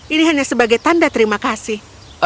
ini hanya sebagai tanda terima kasih